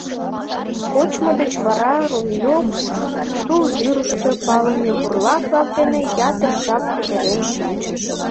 Кочмо деч вара Румелёв тулдӱрыштӧ палыме бурлак-влак дене ятыр жап кутырен шинчыш.